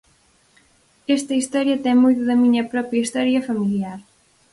Esta historia ten moito da miña propia historia familiar.